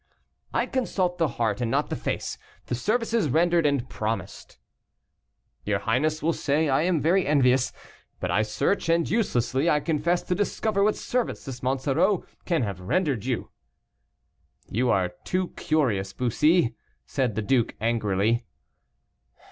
"I consult the heart and not the face the services rendered and promised." "Your highness will say I am very envious; but I search, and uselessly, I confess, to discover what service this Monsoreau can have rendered you." "You are too curious, Bussy," said the duke, angrily.